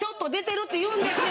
って言うんですよ。